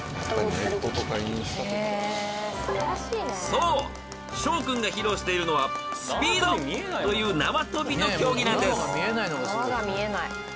［そう翔君が披露しているのはスピードという縄跳びの競技なんです］